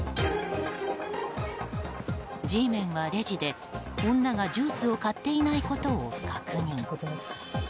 Ｇメンはレジで、女がジュースを買っていないことを確認。